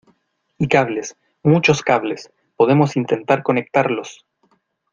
y cables, muchos cables , podemos intentar conectarlos